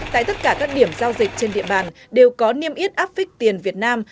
tại tất cả các điểm giao dịch trên địa bàn đều có niêm yết áp phích tiền việt nam